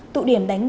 tụ điểm đánh dấu